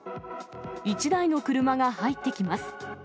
一台の車が入ってきます。